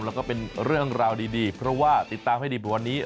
แล้วก็เป็นเรื่องราวดีเพราะว่าติดตามให้ดีบนวันนี้